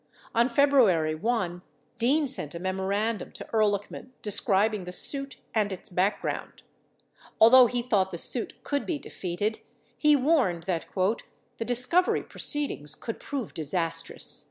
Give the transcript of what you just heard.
On February 1, Dean sent a memorandum to Ehrlichman describing the suit and its background. Although he thought the suit could be de feated, he warned that "the discovery proceedings could prove dis astrous."